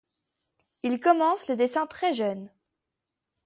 Il commence le dessin très jeune.